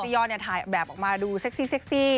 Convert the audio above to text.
แต่ว่าถ่ายแบบออกมาดูเส็ขซี่